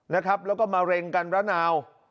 นะครับแล้วก็มะเร็งกันระนาว